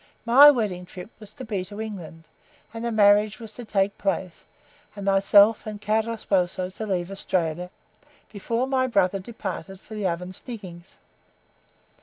MY wedding trip was to be to England, and the marriage was to take place, and myself and CARO SPOSO to leave Australia before my brother departed for the Ovens diggings.